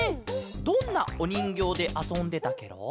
どんなおにんぎょうであそんでたケロ？